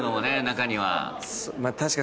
中には。